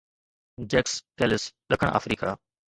جيڪس Kallis ڏکڻ Africa